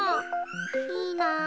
いいな。